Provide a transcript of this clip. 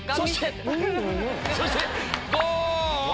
そして。